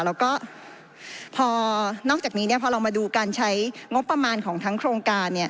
แล้วก็พอนอกจากนี้พอเรามาดูการใช้งบประมาณของทั้งโครงการ